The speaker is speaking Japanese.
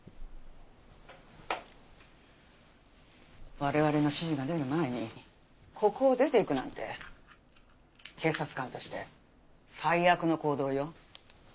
我々の指示が出る前にここを出て行くなんて警察官として最悪の行動よ。